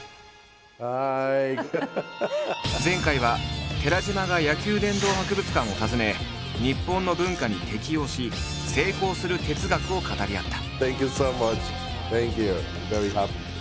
前回は寺島が野球殿堂博物館を訪ね日本の文化に適応し成功する哲学を語り合った。